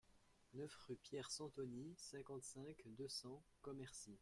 neuf rue Pierre Santoni, cinquante-cinq, deux cents, Commercy